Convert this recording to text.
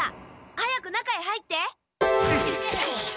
早く中へ入って。